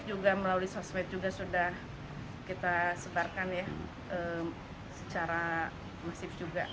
juga melalui sosmed juga sudah kita sebarkan ya secara masif juga